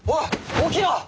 起きろ！